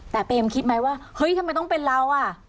แต่เปมคิดไหมว่าเฮ้ยทำไมต้องเป็นเราอ่ะ